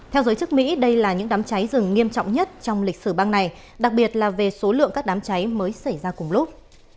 theo giới chức mỹ đây là những đám cháy rừng nghiêm trọng nhất trong lịch sử bang này đặc biệt là về số lượng các đám cháy mới xảy ra cùng lúc